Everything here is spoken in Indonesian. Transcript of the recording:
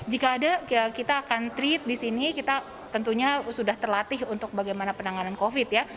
jika ada kita akan treat di sini kita tentunya sudah terlatih untuk bagaimana penanganan covid ya